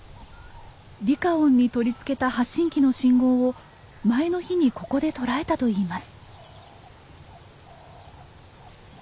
リカオンに取り付けた発信器の信号を前の日にここで捉えたといいます。